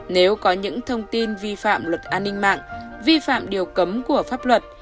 nếu có những thông tin vi phạm luật an ninh mạng vi phạm điều cấm của pháp luật